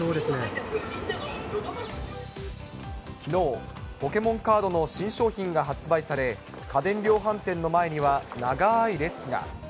きのう、ポケモンカードの新商品が発売され、家電量販店の前には長い列が。